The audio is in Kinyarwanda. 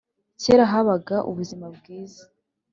kera habaga ubuzima bwiza